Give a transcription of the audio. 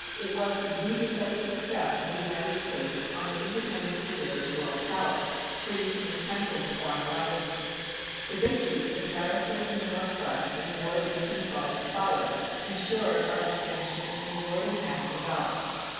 It was the decisive step of the United States on an independent career as a world power, free from entangling foreign alliances. The victories of Harrison in the Northwest, in the War of 1812 that followed, ensured our expansion in the northern half of the Valley.